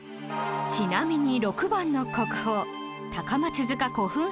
ちなみに６番の国宝『高松塚古墳壁画』